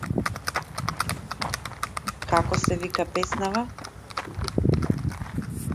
Како се вика песнава?